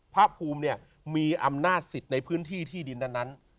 พระภูมิเนี่ยมีอำนาจสิทธิ์ในพื้นที่ที่ดินนั้น